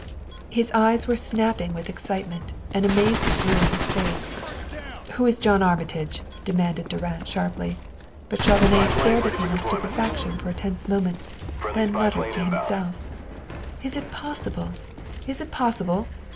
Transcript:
His eyes were snapping with excitement, and amazement grew in his face. "Who is John Armitage?" demanded Durand sharply; but Chauvenet stared at him in stupefaction for a tense moment, then muttered to himself: "Is it possible? Is it possible?"